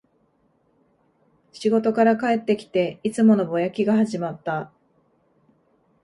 仕事から帰ってきて、いつものぼやきが始まった